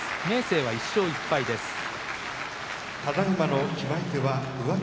明生は１勝１敗です。